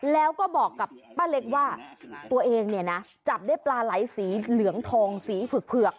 แล้วก็บอกกับป้าเล็กว่าตัวเองเนี่ยนะจับได้ปลาไหลสีเหลืองทองสีเผือก